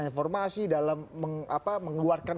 informasi dalam mengeluarkan